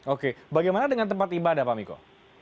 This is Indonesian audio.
oke bagaimana dengan tempat ibadah pak miko